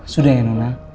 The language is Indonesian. sudah ya nona